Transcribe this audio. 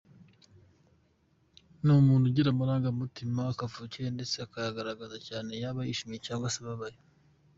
Ni umuntu ugira amarangamutima kavukire ndetse akayagaragaza cyane yaba yishimye cyangwa se ababaye.